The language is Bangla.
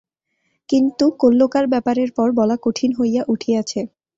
কিন্তু কল্যকার ব্যাপারের পর বলা কঠিন হইয়া উঠিয়াছে।